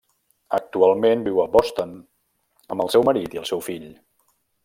Actualment viu a Boston amb el seu marit i el seu fill.